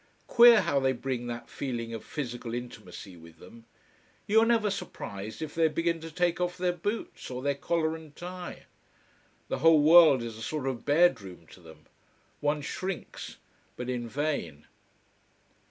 Queer how they bring that feeling of physical intimacy with them. You are never surprised if they begin to take off their boots, or their collar and tie. The whole world is a sort of bedroom to them. One shrinks, but in vain.